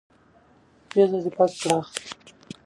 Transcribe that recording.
پېزه دي پاکه کړه.